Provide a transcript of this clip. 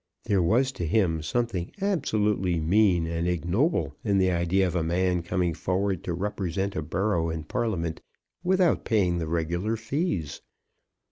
There was to him something absolutely mean and ignoble in the idea of a man coming forward to represent a borough in Parliament without paying the regular fees.